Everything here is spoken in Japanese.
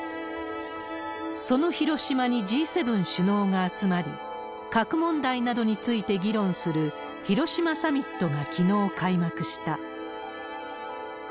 その広島にＧ７首脳が集まり、核問題などについて議論する、広島サミットがきのう開幕した。